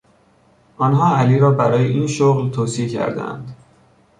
آنها علی را برای این شغل توصیه کردهاند.